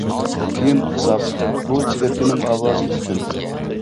كېيىن ئۇقساق بۇ چېكەتكىنىڭ ئاۋازى ئىكەن.